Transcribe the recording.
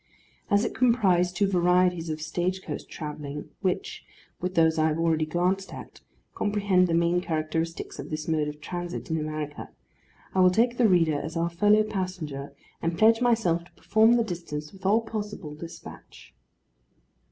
As it comprised two varieties of stage coach travelling, which, with those I have already glanced at, comprehend the main characteristics of this mode of transit in America, I will take the reader as our fellow passenger, and pledge myself to perform the distance with all possible despatch.